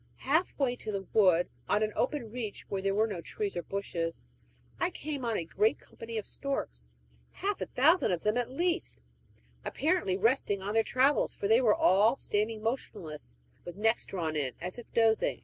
Half way to the wood, on an open reach where there were no trees or bushes, I came on a great company of storks, half a thousand of them at least, apparently resting on their travels, for they were all standing motionless, with necks drawn in, as if dozing.